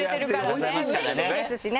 うれしいですしね。